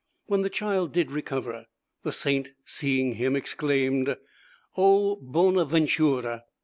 When the child did recover, the saint, seeing him, exclaimed "O bona ventura!"